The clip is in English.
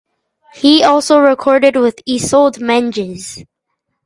He also recorded with Isolde Menges.